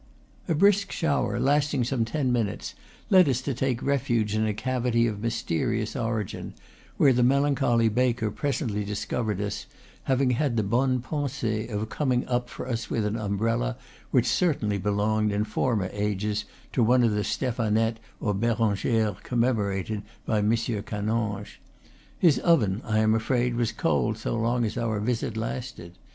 A brisk shower, lasting some ten minutes, led us to take refuge in a cavity, of mysterious origin, where the melancholy baker presently discovered us, having had the bonne pensee of coming up for us with an umbrella which certainly belonged, in former ages, to one of the Ste phanettes or Berangeres commemorated by M. Canonge. His oven, I am afraid, was cold so long as our visit lasted.